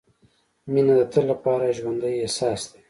• مینه د تل لپاره ژوندی احساس دی.